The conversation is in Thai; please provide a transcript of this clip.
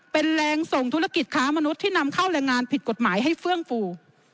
เป็นแรงส่งธุรกิจค้ามนุษย์ที่นำเข้าแรงงานผิดกฎหมายให้เฟื่องฟู